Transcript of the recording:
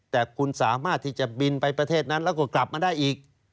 แต่คุณสามารถที่จะบินไปประเทศนั้นแล้วก็กลับมาได้อีก